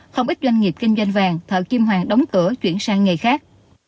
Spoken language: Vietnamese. không ít doanh nghiệp kinh doanh vàng thợ kim hoàng đóng cửa chuyển sang nghề khác